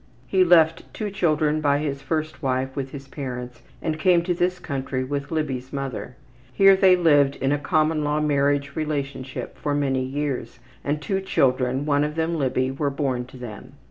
He left two children by his first wife with his parents and came to this country with Libby's mother. Here they lived in a common law marriage relationship for many years, and two children (one of them Libby) were born to them.